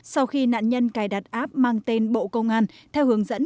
sau khi nạn nhân cài đặt app mang tên bộ công an